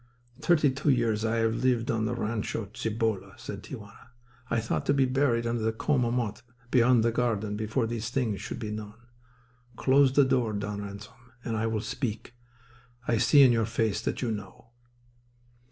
"Thirty two years I have lived on the Rancho Cibolo," said Tia Juana. "I thought to be buried under the coma mott beyond the garden before these things should be known. Close the door, Don Ransom, and I will speak. I see in your face that you know."